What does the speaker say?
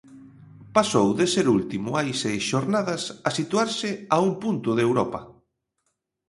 Pasou de ser último hai seis xornadas a situarse a un punto de Europa.